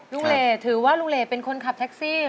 ลุงเหล่ถือว่าลุงเหลเป็นคนขับแท็กซี่